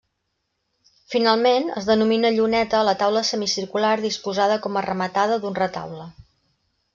Finalment, es denomina lluneta a la taula semicircular disposada com a rematada d'un retaule.